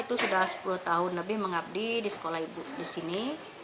itu sudah sepuluh tahun lebih mengabdi di sekolah ibu di sini